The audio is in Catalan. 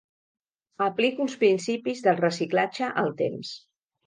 Aplico els principis del reciclatge al temps.